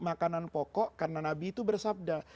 makanan pokok karena nabi itu bersabda